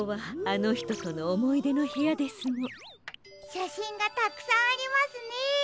しゃしんがたくさんありますね！